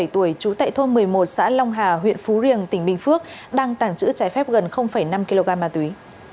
ba mươi bảy tuổi chú tệ thôn một mươi một xã long hà huyện phú riềng tỉnh bình phước đang tàng trữ trái phép gần năm kg ma túy